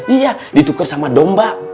iya ditukar sama domba